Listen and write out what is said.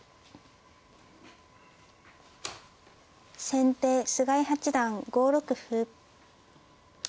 先手菅井八段５六歩。